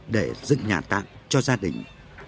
để dựng nhà tạm cho gia đình